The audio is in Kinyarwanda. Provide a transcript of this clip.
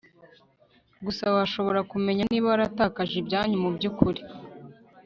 gusa washobora kumenya niba waratakaje ibyanyu mubyukuri